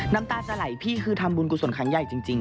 น้ำตาจะไหลพี่คือทำบุญกุศลครั้งใหญ่จริง